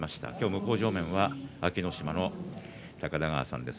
向正面は安芸乃島の高田川さんです。